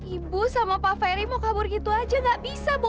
ibu sama pak ferry mau kabur gitu aja gak bisa bu